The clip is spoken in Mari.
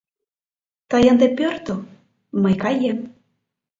Тый ынде пӧртыл, мый каем.